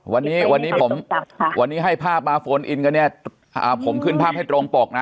วันนี้ให้ภาพมาโฟนอินก็เนี่ยผมขึ้นภาพให้ตรงปกนะ